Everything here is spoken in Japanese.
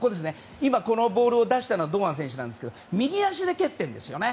このボールを出したのが堂安選手なんですけど右足で蹴っているんですよね。